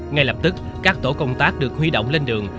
ngay lập tức các tổ công tác được huy động lên đường